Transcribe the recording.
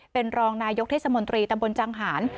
เป็นรองนายกเทศมนตรีตำบลจังหาร